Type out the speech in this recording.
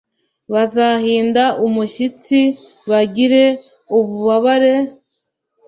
Bazahinda umushyitsi, bagire ububabare